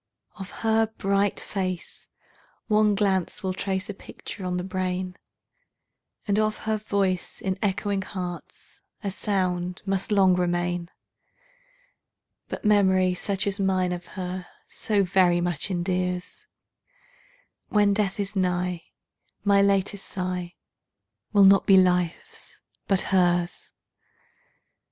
Of her bright face one glance will trace a picture on the brain, And of her voice in echoing hearts a sound must long remain; But memory such as mine of her so very much endears, When death is nigh my latest sigh will not be life's but hers.